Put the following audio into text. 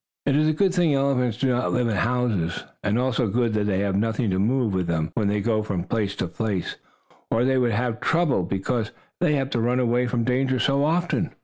It is a good thing elephants do not live in houses, and also good that they have nothing to move with them, when they go from place to place, or they would have trouble, because they have to run away from danger so often.